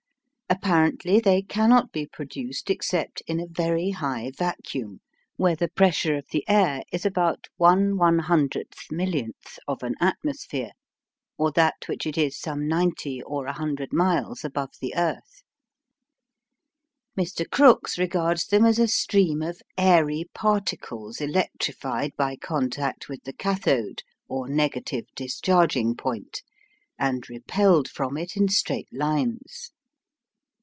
Apparently they cannot be produced except in a very high vacuum, where the pressure of the air is about 1 100th millionth of an atmosphere, or that which it is some 90 or 100 miles above the earth. Mr Crookes regards them as a stream of airy particles electrified by contact with the cathode or negative discharging point, and repelled from it in straight lines.